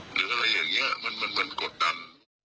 หรืออะไรอย่างนี้มันกดดัน